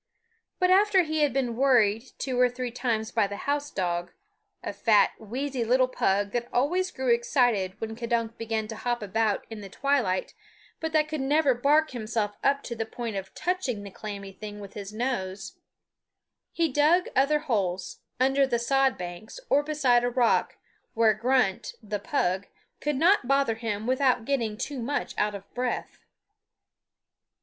But after he had been worried two or three times by the house dog a fat, wheezy little pug that always grew excited when K'dunk began to hop about in the twilight but that could never bark himself up to the point of touching the clammy thing with his nose he dug other holes, under the sod banks, or beside a rock, where Grunt, the pug, could not bother him without getting too much out of breath.